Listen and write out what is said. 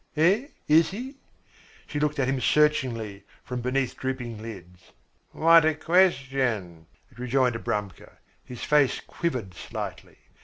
Eh, is he?" She looked at him searchingly from beneath drooping lids. "What a question," rejoined Abramka. His face quivered slightly.